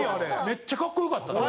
めっちゃかっこよかったで。